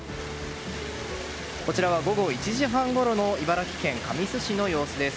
こちらは午後１時半ごろの茨城県神栖市の様子です。